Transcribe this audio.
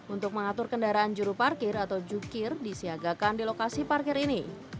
untuk mengatur kendaraan juru parkir atau jukir disiagakan di lokasi parkir ini